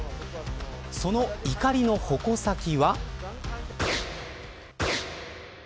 その怒りの矛先は。